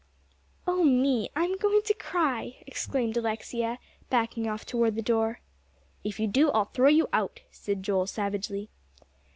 "Oh me! I'm going to cry," exclaimed Alexia, backing off toward the door. "If you do, I'll throw you out," said Joel savagely.